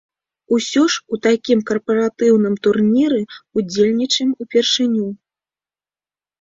Усё ж у такім карпаратыўным турніры ўдзельнічаем ўпершыню.